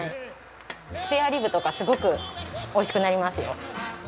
スペアリブとかすごく美味しくなりますよ。